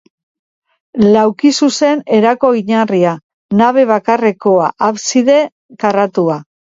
Laukizuzen erako oinarria, nabe bakarrekoa, abside karratua.